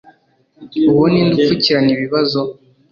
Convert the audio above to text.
Uwo ni nde upfukirana ikibazo